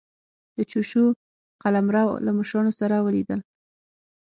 د چوشو قلمرو له مشرانو سره ولیدل.